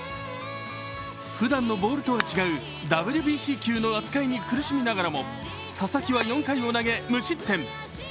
ふだんのボールとは違うＷＢＣ球の扱いに苦しみながらも佐々木は４回を投げ、無失点。